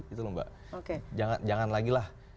gitu loh mbak jangan lagi lah